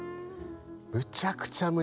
むちゃくちゃむね